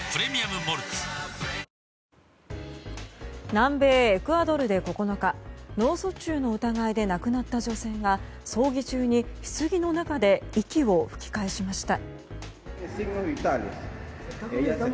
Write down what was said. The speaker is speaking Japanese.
南米エクアドルで９日脳卒中の疑いで亡くなった女性が葬儀中にひつぎの中で息を吹き返しました。